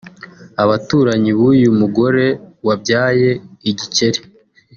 Abaturanyi b’uyu mugore wabyaye igikeri